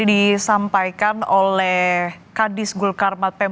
itu sudah menganjurkan potensi keledakan itu mungkin ada lagi